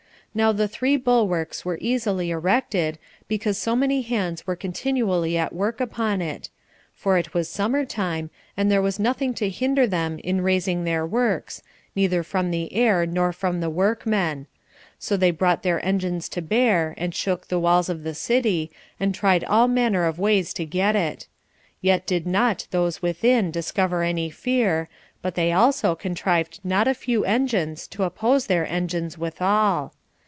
Now the three bulwarks were easily erected, because so many hands were continually at work upon it; for it was summer time, and there was nothing to hinder them in raising their works, neither from the air nor from the workmen; so they brought their engines to bear, and shook the walls of the city, and tried all manner of ways to get it; yet did not those within discover any fear, but they also contrived not a few engines to oppose their engines withal.